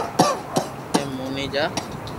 ڪي موني جا